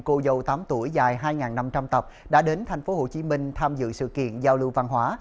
cô dâu tám tuổi dài hai năm trăm linh tập đã đến thành phố hồ chí minh tham dự sự kiện giao lưu văn hóa